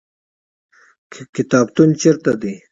کتابتون چیرته دی؟